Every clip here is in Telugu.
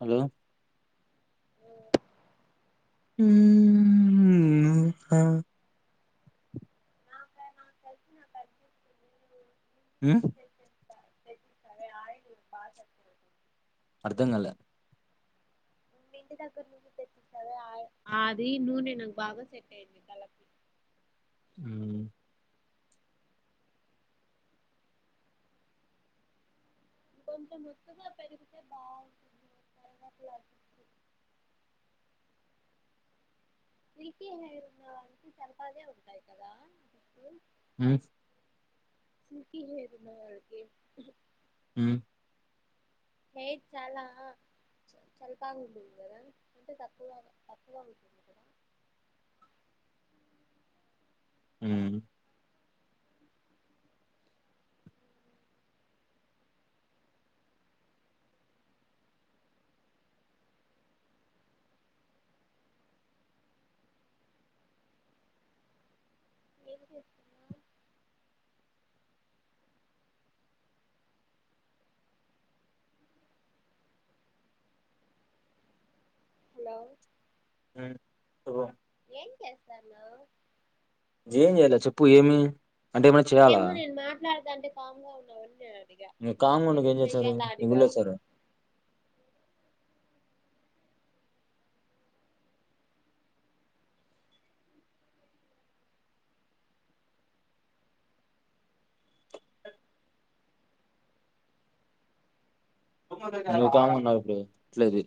హలో ఓ ఊ హ కలిసినా పర్సన్ [unintelligible] ఉ [unintelligible] ఆయిల్ బాగా [unintelligible] అర్ధంగాల నిన్న ఇంటి దగ్గర నుంచి తెచ్చించావే ఆ అది నూనె నాకు బాగా సెట్ అయ్యంది కలపి ఉమ్ ఇంకా కొంచెం ఒత్తుగా పెరిగితే బాగుంటుంది [unintelligible] సిల్కీ హెయిర్ ఉన్న వాళ్ళకి సలపాగే ఉంటాయి కదా జుట్టు ఉ సిల్కీ హేరు ఉన్నవాళ్ళకి ఉ హెయిర్ చాలా చలి చలిపగా ఉంటంది కదా అంటే తక్కువగానే తకువ ఉంటంది కదా ఉ ఎం చేస్తున్నవ్ లవ్ ఉ చెప్పు ఏం చేస్తాన్నవు ఏం చెయ్యాలా చెప్పు ఏమి అంటే ఏమైనా చేయాలా ఏమో నేను మాట్లాడతంటే కామ్ గా ఉన్నావని అడిగా ఇ కామ్ గా నేను ఉండక ఎంజెస్తరు చెయ్యాలా అని కాదు ముల్లెస్తారా నువ్వు కామ్ గా ఉన్నావా ఇప్పుడు ఇట్లేది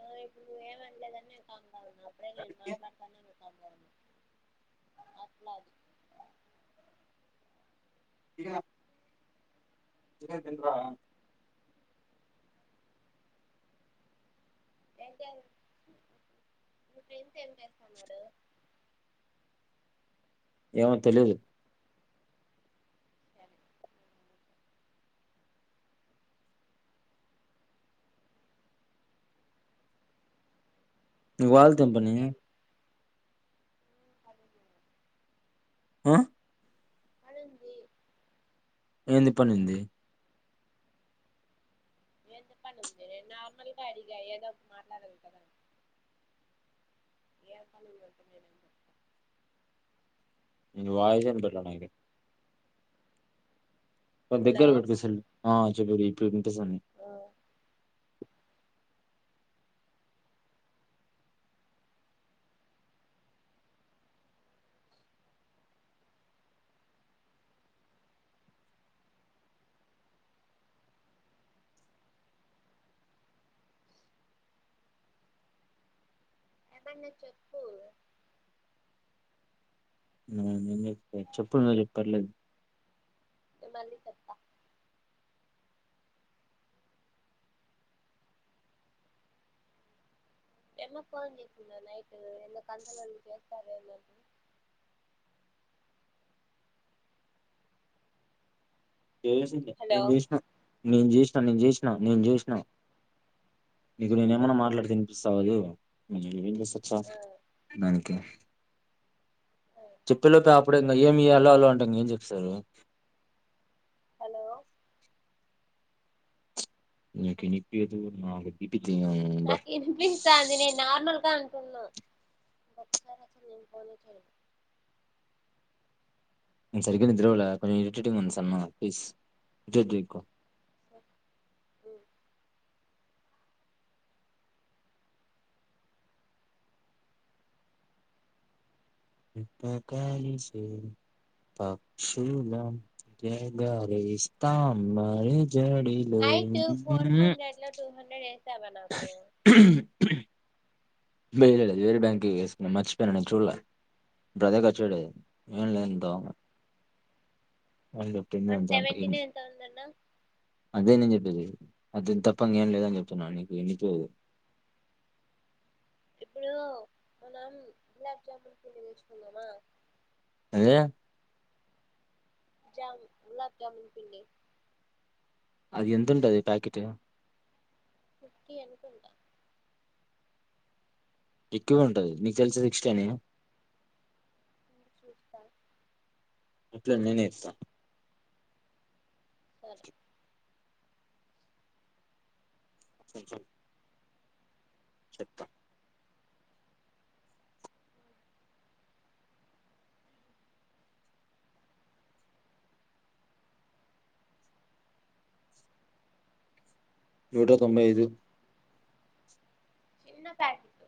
ఆ ఇప్పుడు ఏమనలేదని అంట కామ్ గా ఉన్నా అప్పుడే లేను మాట్లాడుతానే అ అట్లా అది ఇగ తినేది తినడ్రా [unintelligible] ఏం చేస్తాన్నడు ఏమో తెలీదు సరే నీవాల్ తెంపని అది ఆ అడుంది ఏంది పనుంది ఏ చెప్పని ఉంది నేను నార్మల్ గా అడిగా ఏదో ఒక మాట్లాడలి కదా ఏమ్ పనులు ఉంటాయి ఏమైనా చెప్ప ని వాయిస్ ఇన్పీయట్లే నాకైతే కో హలో దగ్గర పెట్టుకో సెల్ ఆ చెప్పు ఆ ఇప్పుడు వినిపిస్తోంది ఆ ఎంటన్ చెప్పు ఆ, ఏం చెప్తా? చెప్పు లేదు పర్లేదు నేను మళ్ళీ చెప్తా ఏమ ఫోన్ చేసిందా నైట్ [unintelligible] చేస్తారు చేసిందే హలో నేను చేసినా నేను చేసినా నేను చేసినా నేను చేసినా నీకు నేనేమైనా మాట్లాడితే వినిస్తావదు నువ్వేం చేసి చచ్చావ్ ఆ దానికి చెప్పేలోపే అప్పుడే ఇంకా ఏమి ఇయాలో అలా అంటాం ఏం చెప్స్తారు హలో నీకు వినిపియ్యదు నాకు పి నాకు ఇనిపిస్తాంది నేను నార్మల్గా కున్న ఒకసారి అచ్చ నేను పోనే చేయలేదు నేను సరిగ్గా నిద్రపోలే కొంచెం ఇరిటేటింగ్ గా ఉంది సన్మాల ప్లీస్ స ప్రకాళిస్తే పక్షులం నీ గాలి ఇస్తాం మరి జడిలో నైట్ ఫోర్ హండ్రెడ్ లో టూ హండ్రెడ్ ఏసావా నాకు త్రీ వెయ్యలేదు వేరు బ్యాంకుకు వేసినాను మర్చిపోయినాను నేను చూడలే ఇప్పుడు అదే ఖర్చు పెట్టేది ఏం లేంతో వన్ ఫేస్టీ వన్ నంత అగ్రిమ్ సెవెంటీనే ఎంత ఉందన్నావ్ అదే నేను చెప్పేది అది తప్ప ఏం లేదని చెప్తున్నా నీకు వినిపియ్యదు ఎప్పుడు మనం గులాబ్ జమూన్ పలి తెచ్చుకుందామా అదే జామ్ గులాబ్ జామూన్ పిండి అది ఎంతుంటది ప్యాకెట్ సిక్స్టీ అనుకుంటా ఎక్కువే ఉంటది నీకు తెలుసా సిక్స్టీ అని చూస్త అట్లా నేనే ఇస్త సరే కొంచెం చెప్తా నూట తొంభై ఐదు చిన్న ప్యాకెట్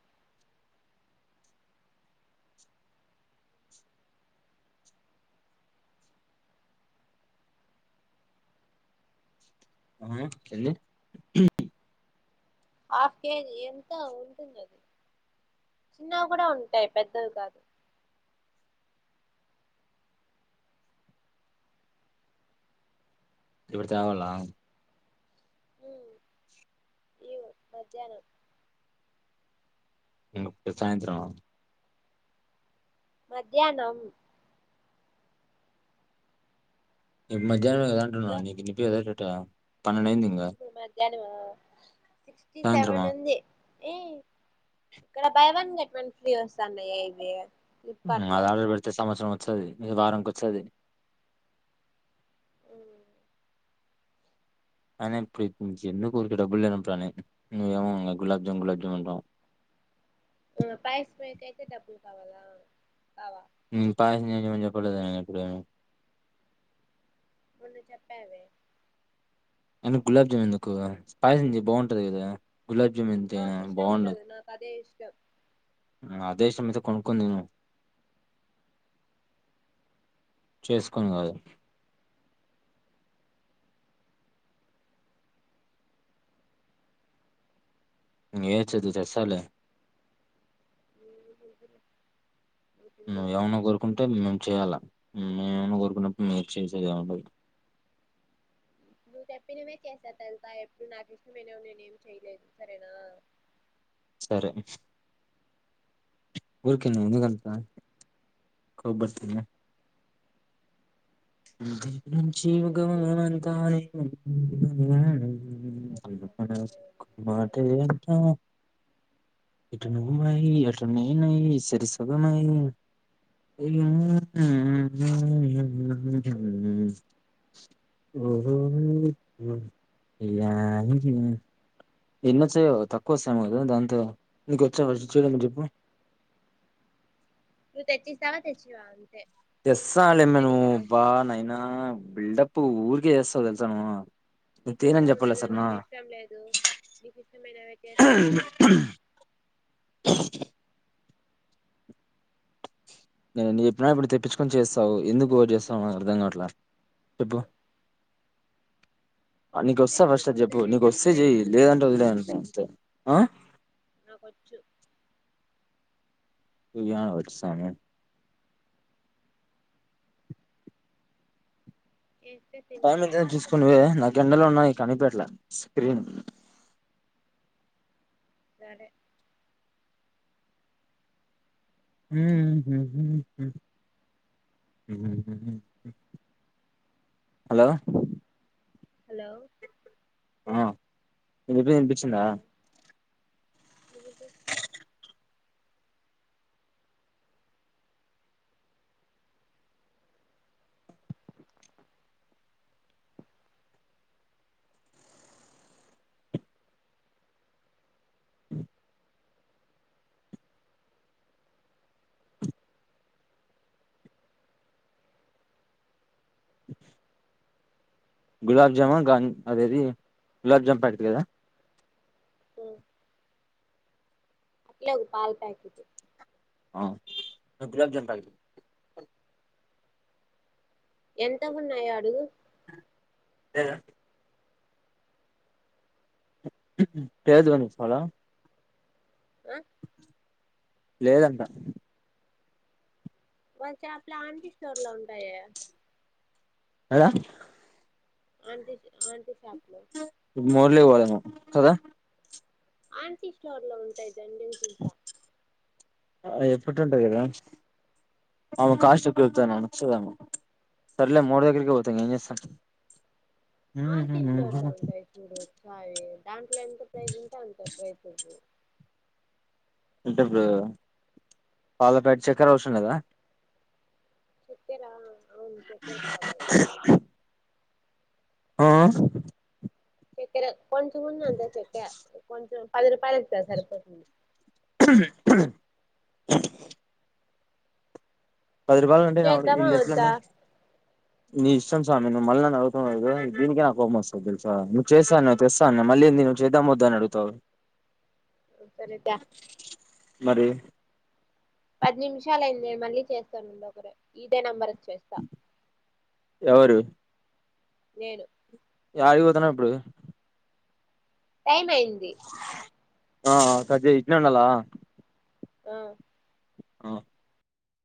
హ్మ్ ఏంది హాఫ్ కేజీ ఎంత ఉంటుందది చిన్నవి కూడా ఉంటాయి పెద్దది కాక ఇప్పుడు తావాల హుమ్ ఇవ్ మధ్యాహ్నం ఇంగ ఇప్పుడు సాయంత్రం మధ్యాహ్నం ఇప్ మధ్యాహ్నం కదా అంటున్న ఇగో నీకు [unintelligible] ఎట్టెట్ట పన్నెండయింది ఇప్పుడు మధ్యాహ్నం ఆ సిక్స్టీ సాయంత్రమా సెవెన్ ఉంది ఏ ఇక్కడ buy one get one free వస్తున్నయెంది హుమ్ అది ఆర్డర్ పెడితే సంవత్సరం వచ్చది ఇది వారంకొచ్చది ఐనా ఇప్పుడు ఎందుకు ఊరికే డబ్బులేనప్పుడు అనీ నువ్వేమో ఇంకా గులాబ్ జామ్ గులాబ్ జామ్ అంటావ్ హుమ్ పాయసం కయితే డబ్బులు కావాలా కావా హుమ్ పాయసం చేయమని చెప్పలేదే నేను ఎప్పుడే చెప్పావే అయినా గులాబ్ జామ్ ఎందుకూ అని పాయసం చెయ్ బాగుంటది కదా గులాబ్ జామ్ ఎంతైనా నాకు ఇష్టం బాగుండదు ఉండదు నాకు అదే ఇష్టం అంతా ఇష్టమైతే కొనుకొని తిను చేస్కొన్ కాదు ఏడ్చదు తెస్తాలే ఏమన్నా కోరుకుంటే మేము చేయాలా మేమే మన్నా కోరుకు నువ్ చేసేదేముండదు నువ్వు చెప్పినవే చేసా తెలుస ఎప్పుడు నాకు ఇష్టమైనవి నేనేం చెయలేదు సరేనా సరే ఊర్కే నువు ఎందుకంత కోపడుతున్నావ్ శివగామివంతానేను అంటే ఎంటో ఇటు నువ్వై అటునేనై సరి సగమై [unintelligible] ఓహో లాహిరి ఎన్ని వచ్చాయో తక్కువ వస్తాయమో కదా దాంతో నీక వచ్చా ఫస్ట్ చేయడం చెప్పు నువ్వు తెచ్చిస్తావా తెచ్చియ్యావా అంతే తెస్తా లేమ్మ అవంతా నువ్వు నీకు బా అనవసరం నైనా బిల్డప్ ఊరికే చేస్తావు తెలుసా నువ్వు నేను నీకు తేనని ఇష్టం చెప్పలే ఉండదు సరేనా నాకు ఇష్టం లేదు నీ కిష్టమైనవే చేస్తావు అంటే నేను ఎన్ని చెప్పినా ఇప్పుడు తెప్పించుకొని చేస్తావు ఎందుకు ఓవర్ చేస్తావు నాకు అర్థం కావట్లా చెప్పు [inaudible] నీకొస్తా ఫస్ట్ నీకు అది చెప్పు వద్దంటే నీకు వస్తే నేను చెయి అసలు లేదంటే వదిలే అంతే నా కొచ్చు తూ న వచ్చ సామె చేస్తే టైమ్ ఎదో తింటారులే చూసుకునివే పందులాగట్ట నా గెండలో ఉన్నాయి కనిపెట్లా స్క్రీన్ సరే హ హలో హలో ఆ ఇ ఎప్పుపించందా వినిపిస్తుంది [inaudible] [inaudible] గులాబ్ జాముగాం అదేది గులాబ్ జాము పెట్ది కదా ఉ అట్లే పాల పాకెట్టు ఆ ఒక గులాం జామున్ ప్యాకెట్ ఎంత ఉన్నాయ అడుగు లేదా ఏదు వంది సాలా ఆ లేదంట వచ్చలా ఆంటిీ స్టోర్ లో ఉంటాయ అదా ఆంటీస్ ఆంటీసా మోర్లే పోదా ను కదా ఆంటీ స్టోర్ లో ఉంటాయి దండికా ఎప్పుడు ఉంటారు కదా ఆమ కాష్ట కొతాచ్చద [unintelligible] సరలే మూడు వగకి పోతు ఏం చేస్తా ఆంటీ స్టోర్ లో ఉంటాయి చూడు చాయి దాంట్లో ఎంత ప్రైస్ ఉంటే అంత ప్రైస్ అంటే ఇప్పుడు పాల ప్యాకెట్ చక్కర అవసరం లేదా చెక్కర అవును చెక్కర కావాలి ఆ చెక్కర కొంచెం ఉంది అంతే చెక్కర కొంచెం పది రూపాయలు ఇస్త సరపోతది పది రూపాయలు అండి నా చేద్దామా వద్దా ఇల్లుట్లుండి నీ ఇష్టం స్వామి నువ్వు మళ్ళ న అవుతలేదు దీనిక నాకుఓ వస్తుంది తెలుసా నువ్వు చేస్తానువ్ తెస్తా అన్న అళ్ నేను చేద్దాం వద్దాని అగుతాను సరే దా మరి పది నిమిషాలు అయింది మళ్ళీ చేస్తానుండి ఒకరు ఇదే నంబర్ వచ్చి ఎవరు నేను యాడికి పోతన్నవ్ ఇప్పుడు టైమ్ అయింది ఆ ఆ కట్ జేయ్ ఇట్టనే ఉండాలా ఆ ఆ